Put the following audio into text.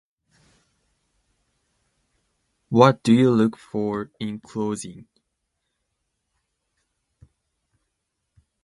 What do you look for in clothing?